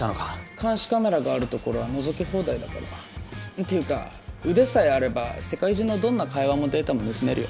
監視カメラがあるところはのぞき放題だからっていうか腕さえあれば世界中のどんな会話もデータも盗めるよ